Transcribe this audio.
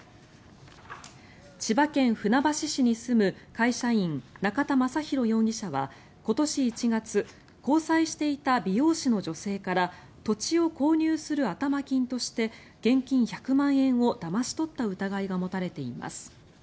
千葉県船橋市に住む、会社員中田壮紘容疑者は今年１月交際していた美容師の女性から土地を購入する頭金として現金１００万円をだまし取った疑いが持たれています。